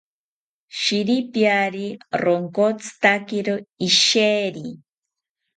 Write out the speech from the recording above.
Shiripiari ronkotzitakiro isheri